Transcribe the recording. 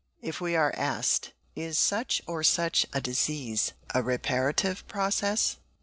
If we are asked, Is such or such a disease a reparative process?